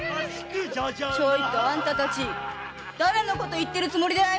ちょいとあんたたち誰のこと言ってるつもりだい？